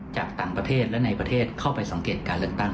จากต่างประเทศและในประเทศเข้าไปสังเกตการเลือกตั้ง